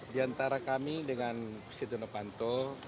diantara kami dengan setia novanto